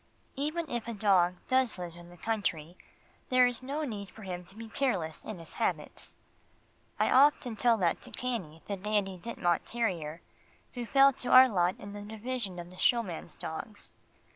Even if a dog does live in the country, there is no need for him to be careless in his habits. I often tell that to Cannie the Dandie Dinmont terrier, who fell to our lot in the division of the showman's dogs.